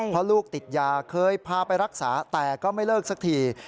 เพราะลูกติดยาเคยพาไปรักษาแต่ก็ไม่เลิกสักที